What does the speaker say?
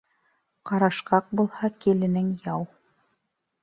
...ҡарышҡаҡ булһа киленең яу.